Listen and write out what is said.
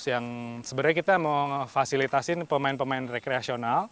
yang sebenarnya kita mau fasilitasin pemain pemain rekreasional